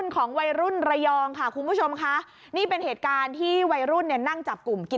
ของวัยรุ่นระยองค่ะคุณผู้ชมค่ะนี่เป็นเหตุการณ์ที่วัยรุ่นเนี่ยนั่งจับกลุ่มกิน